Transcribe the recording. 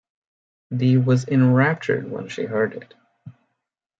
Dee was enraptured when she heard it.